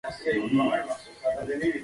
დასტურლამალში შემონახულია ზარაფხანის წესდება.